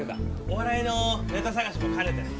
お笑いのネタ探しも兼ねてね。